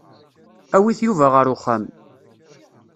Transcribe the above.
Awit Yuba ɣer uxxam.